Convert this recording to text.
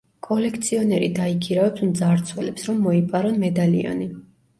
კოლექციონერი დაიქირავებს მძარცველებს, რომ მოიპარონ მედალიონი.